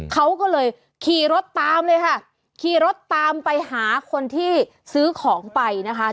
เขาก็เลยขี่รถตามเลยค่ะขี่รถตามไปหาคนที่ซื้อของไปนะคะ